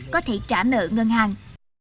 có thể trả nợ ngân hàng